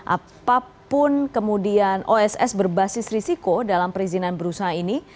apapun kemudian oss berbasis risiko dalam perizinan berusaha ini